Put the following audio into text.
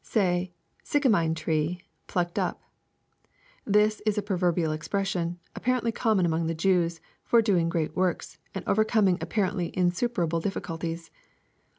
[Say...sycamine tree...plucked up.] This is a proverbial expres sion, apparently common among the Jews, for doing great works, and overcoming apparently insuperable diflBlculties.